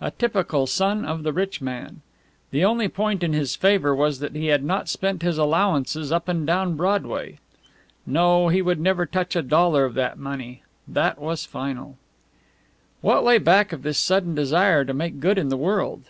A typical son of the rich man. The only point in his favour was that he had not spent his allowances up and down Broadway. No, he would never touch a dollar of that money. That was final. What lay back of this sudden desire to make good in the world?